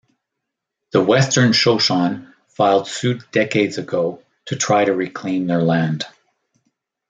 The Western Shoshone filed suit decades ago to try to reclaim their land.